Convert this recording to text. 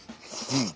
うん。